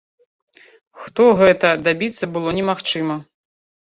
Хто гэта, дабіцца было немагчыма.